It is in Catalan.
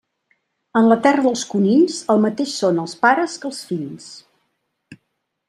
En la terra dels conills el mateix són els pares que els fills.